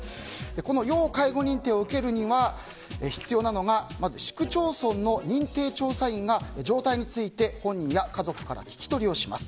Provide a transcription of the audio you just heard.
この要介護認定を受けるにはまず必要なのが市区町村の認定調査員が状態について本人や家族から聞き取りをします。